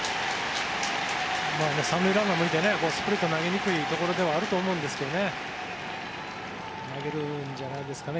３塁ランナーがいてスプリットを投げにくいところではあるとも思いますが投げるんじゃないですかね